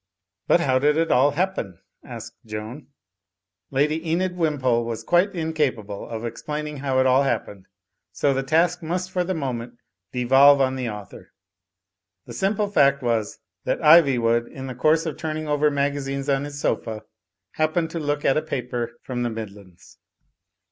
"But how did it all happen?" asked Joan. Lady Enid Wimpole was quite incapable of explain ing how it all happened, so the task must for the mo ment devolve on the author. The simple fact was that Ivywood in the course of turning over magazines on his sofa, happened to look at a paper from the Midlands.